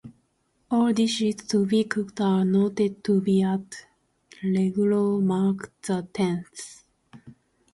All dishes to be cooked are noted to be at "Regulo Mark the Tenth".